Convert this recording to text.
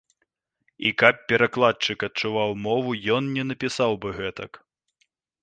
І каб перакладчык адчуваў мову, ён не напісаў бы гэтак.